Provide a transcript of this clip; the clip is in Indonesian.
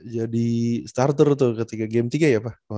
jadi starter tuh ketika game tiga ya pak